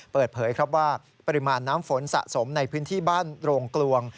เปิดเผยครับว่าปริมาณน้ำฝนสะสมในพื้นที่บ้านโรงกลวง